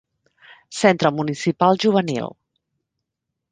Centre Municipal Juvenil.